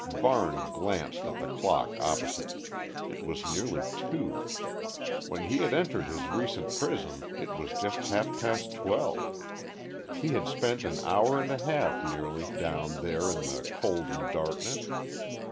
Varne glanced at the clock opposite. It was nearly two. When he had entered his recent prison it was just half past twelve. He had spent an hour and a half nearly, down there in the cold and darkness.